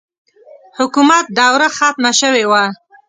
حکومت دوره ختمه شوې وه.